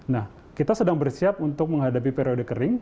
nah kita sedang bersiap untuk menghadapi periode kering